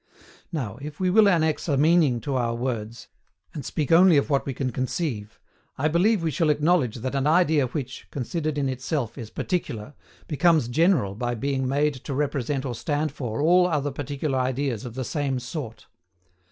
Now, if we will annex a meaning to our words, and speak only of what we can conceive, I believe we shall acknowledge that an idea which, considered in itself, is particular, becomes general by being made to represent or stand for all other particular ideas of the SAME SORT.